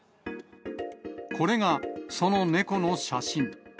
これがその猫の写真。